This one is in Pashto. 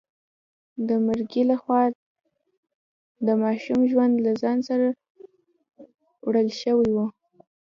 د مرګي لخوا د ماشوم ژوند له ځان سره وړل شوی و.